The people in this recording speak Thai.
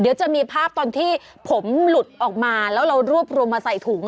เดี๋ยวจะมีภาพตอนที่ผมหลุดออกมาแล้วเรารวบรวมมาใส่ถุง